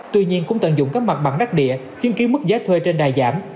tuy nhiên cũng tận dụng các mặt bằng đắt địa chứng kiến mức giá thuê trên đài giảm